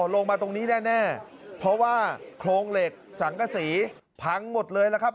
ลงมาตรงนี้แน่เพราะว่าโครงเหล็กสังกษีพังหมดเลยแล้วครับ